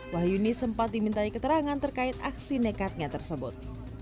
wahyuni sempat dimintai keterangan terkait aksi nekatnya tersebut